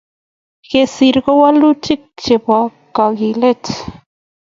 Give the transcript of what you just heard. Kesir ko walutik chebo kakilet